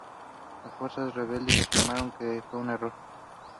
The Player of the Tournament receives the Denzil Lloyd Trophy.